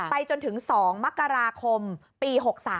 จนถึง๒มกราคมปี๖๓